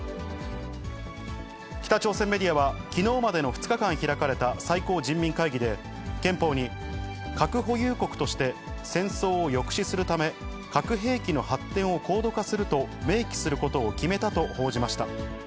北朝鮮メディアは、きのうまでの２日間開かれた最高人民会議で、憲法に、核保有国として戦争を抑止するため、核兵器の発展を高度化すると明記することを決めたと報じました。